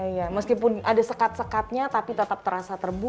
iya meskipun ada sekat sekatnya tapi tetap terasa terbuka